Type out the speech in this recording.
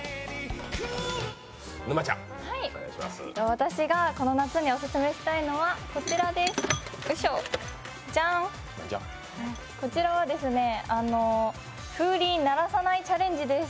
私がこの夏にオススメしたいのはこちらです、じゃん、こちらは風鈴鳴らさないチャレンジです。